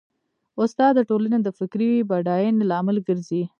استاد د ټولنې د فکري بډاینې لامل ګرځي.